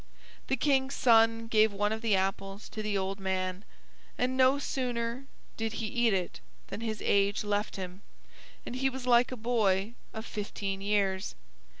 The King's son gave one of the apples to the old man, and no sooner did he eat it than his age left him, and he was like a boy of fifteen years.